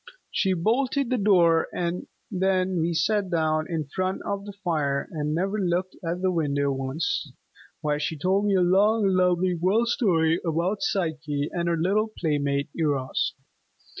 She bolted the door and then we sat down in front of the fire and never looked at the window once, while she told me a long, lovely World Story about Psyche and her little playmate Eros.